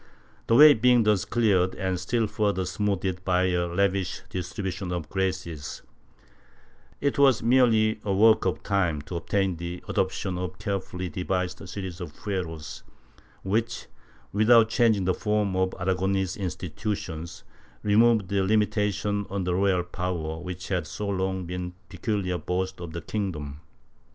The way being thus cleared, and still further smoothed by a lavish distri bution of "graces," it was merely a work of time to obtain the adoption of a carefully devised series of fueros which, without changing the form of Aragonese institutions, removed the limita tions on the royal power which had so long been the peculiar boast of the kingdom.